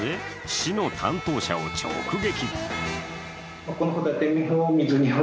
市の担当者を直撃。